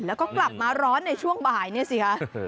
แล้วก็กลับมาร้อนในช่วงบ่ายเนี่ยสิคะ